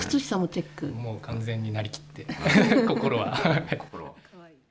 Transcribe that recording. もう完全なりきって、心は。